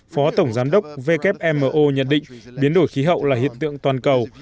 phó tổng giám đốc wmo nhận định biến đổi khí hậu là hiện tượng toàn cầu